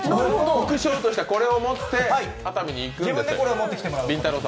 副賞としてこれを持って熱海に行くと。